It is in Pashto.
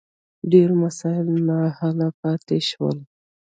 ډېر مسایل نا حل پاتې شول.